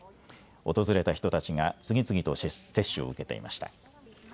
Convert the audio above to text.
訪れた人たちが次々と接種を受けていました。